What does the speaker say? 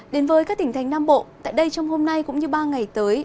đến với các tỉnh thành nam bộ tại đây trong hôm nay cũng như ba ngày tới